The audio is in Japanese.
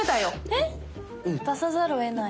えっ⁉出さざるをえない。